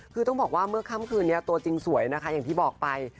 คือต้องบอกว่าเมื่อค่ำคืนนี้ตัวจริงสวยนะคะอย่างที่บอกไป